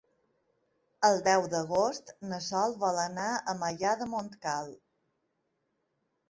El deu d'agost na Sol vol anar a Maià de Montcal.